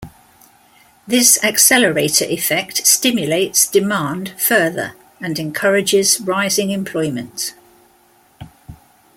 This accelerator effect stimulates demand further and encourages rising employment.